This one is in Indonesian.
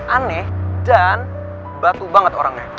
aneh dan batu banget orangnya